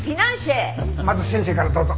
まず先生からどうぞ。